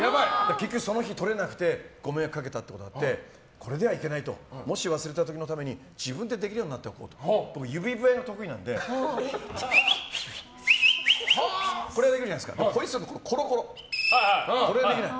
結局その日撮れなくてご迷惑かけたことがあってこれではいけないともし忘れた時のために自分でできるようになっておこうと僕、指笛が得意なのでホイッスルのコロコロこれはできない。